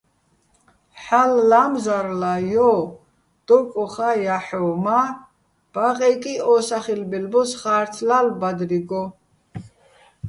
"ჰალო̆ ლა́მზარლა, ჲო!" - დო კოხა́ ჲაჰ̦ოვ, მა ბაყეკი ო სახილბელ ბოს ხა́რცლა́ლო̆ ბადრიგო.